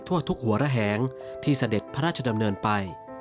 ทั่วทุกหัวระแหงที่เสด็จพระราชดำเนินไป